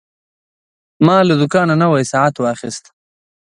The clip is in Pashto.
ما له دوکانه نوی ساعت واخیست.